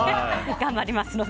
頑張りますので。